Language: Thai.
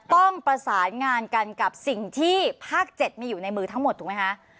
ต้องประสานงานกันกับสิ่งที่ภาค๗มีอยู่ในมือทั้งหมดถูกไหมคะ